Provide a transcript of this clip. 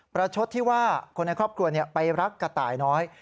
ประชดที่ว่าคนในครอบครัวไปรักกระต่ายน้อย